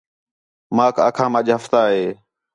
ماک آکھام اَج ہفتہ ہِے